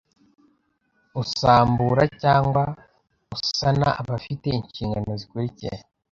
Usambura cyangwa usana afite inshingano zikurikira